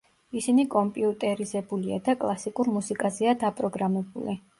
ისინი კომპიუტერიზებულია და კლასიკურ მუსიკაზეა დაპროგრამებული.